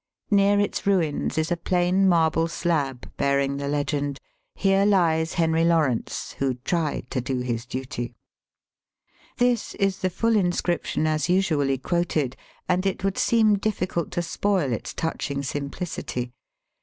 Near its ruins is a plain marble slab bearing the legend: ^'Here hes Henry Lawrence, who tried to do his duty." This is the full inscription as usually quoted, and it would seem diflScult to spoil its touching simpUcity.